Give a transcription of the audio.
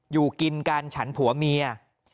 อยู่กินกันฉันผัวเมีย